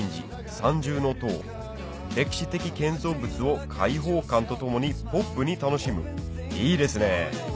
三重塔歴史的建造物を開放感とともにポップに楽しむいいですね